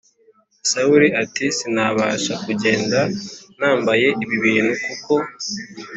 Sawuli ati sinabasha kugenda nambaye ibi bintu kuko